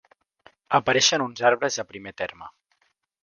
Apareixen uns arbres a primer terme.